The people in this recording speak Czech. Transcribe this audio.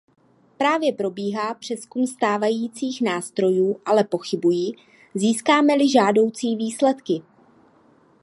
Právě probíhá přezkum stávajících nástrojů, ale pochybuji, získáme-li žádoucí výsledky.